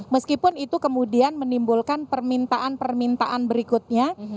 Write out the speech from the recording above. meskipun itu kemudian menimbulkan permintaan permintaan berikutnya